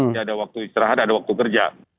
tidak ada waktu istirahat ada waktu kerja